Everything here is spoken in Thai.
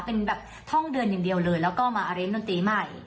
เป็นแบบท่องเดือนอย่างเดียวเลยแล้วก็มาเรียนดนตรีใหม่